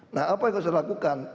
nah apa yang harus dilakukan